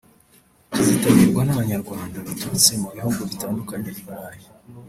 kizitabirwa n’Abanyarwanda baturutse mu bihugu bitandukanye i Burayi